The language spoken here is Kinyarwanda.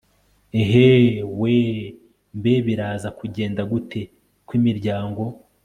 EeeeeeewwhhhMbe biraza kugenda gute kwimiryango